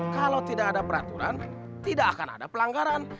kalau tidak ada peraturan tidak akan ada pelanggaran